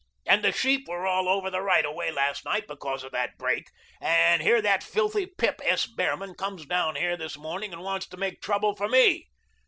And the sheep were all over the right of way last night because of that break, and here that filthy pip, S. Behrman, comes down here this morning and wants to make trouble for me."